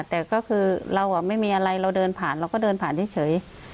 แต่ก็คือเราไม่มีอะไรเราเดินผ่านเราก็เดินผ่านเฉย